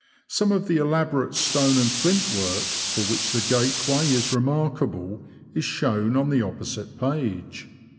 Some of the elaborate stone and flint work for which the gateway is remarkable is shown on the opposite page.